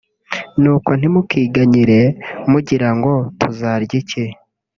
Nuko ntimukiganyire mugira ngo “Tuzarya iki